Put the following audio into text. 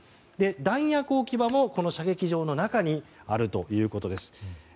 弾薬置き場も射撃場の中にあるということです。